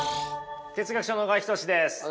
哲学者の小川仁志です。